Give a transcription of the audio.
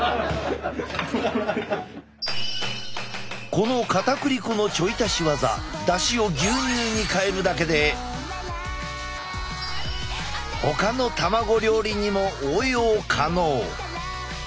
このかたくり粉のちょい足し技だしを牛乳に変えるだけでほかの卵料理にも応用可能。